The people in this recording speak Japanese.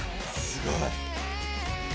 すごい。